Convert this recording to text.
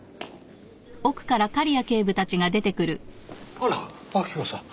あら明子さん。